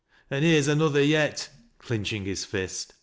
An' here's another yet," clinching his jBst.